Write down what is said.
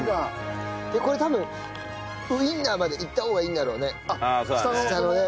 でこれ多分ウィンナーまでいった方がいいんだろうね下のね。